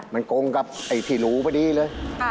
มันกงกับไอ้ที่รู้พอดีเลย